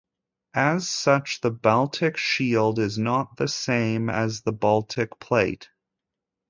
As such, the Baltic Shield is not the same as the Baltic Plate.